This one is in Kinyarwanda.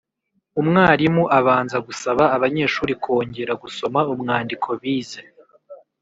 Umwarimu abanza gusaba abanyeshuri kongera gusoma umwandiko bize